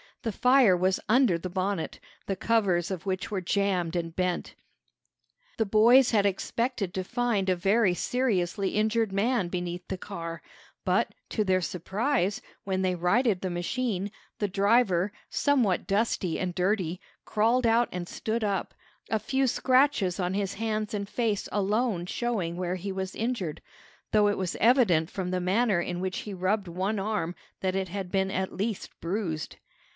The fire was under the bonnet, the covers of which were jammed and bent. The boys had expected to find a very seriously injured man beneath the car, but, to their surprise, when they righted the machine, the driver, somewhat dusty and dirty, crawled out and stood up, a few scratches on his hands and face alone showing where he was injured, though it was evident from the manner in which he rubbed one arm that it had been at least bruised.